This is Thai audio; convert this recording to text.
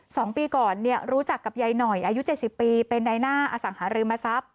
สองปีก่อนเนี่ยรู้จักกับยายหน่อยอายุเจ็ดสิบปีเป็นในหน้าอสังหาริมทรัพย์